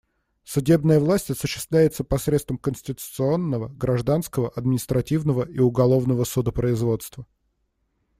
Судебная власть осуществляется посредством конституционного, гражданского, административного и уголовного судопроизводства.